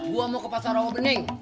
gue mau ke pasarawa bening